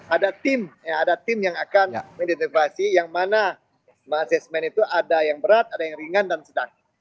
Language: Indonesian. ada tim ada tim yang akan mengidentifikasi yang mana asesmen itu ada yang berat ada yang ringan dan sedang